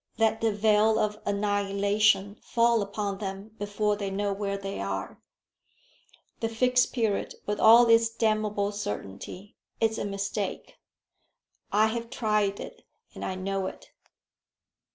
Let the veil of annihilation fall upon them before they know where they are. The Fixed Period, with all its damnable certainty, is a mistake. I have tried it and I know it.